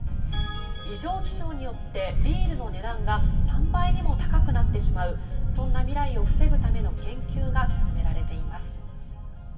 異常気象によってビールの値段が３倍にも高くなってしまうそんな未来を防ぐための研究が進められています。